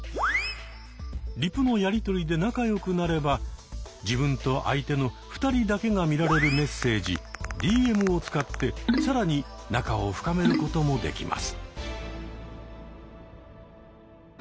リプのやりとりで仲良くなれば自分と相手の２人だけが見られるメッセージ「ＤＭ」を使って更に仲を深めることもできます。